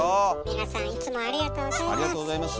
皆さんいつもありがとうございます。